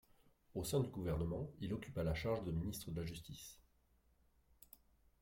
Au sein du gouvernement, il occupa la charge de ministre de la Justice.